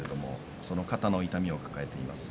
その肩の痛みを抱えています。